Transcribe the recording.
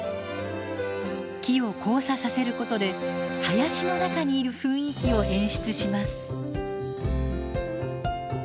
木を交差させることで林の中にいる雰囲気を演出します。